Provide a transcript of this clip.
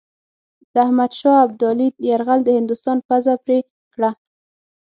د احمدشاه ابدالي یرغل د هندوستان پزه پرې کړه.